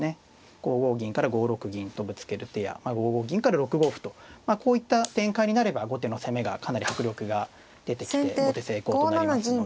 ５五銀から５六銀とぶつける手や５五銀から６五歩とこういった展開になれば後手の攻めがかなり迫力が出てきて後手成功となりますので。